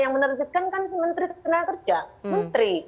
yang menerbitkan kan si menteri tanah kerja menteri